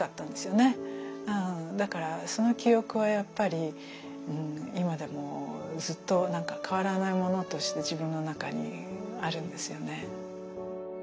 だからその記憶はやっぱり今でもずっと変わらないものとして自分の中にあるんですよね。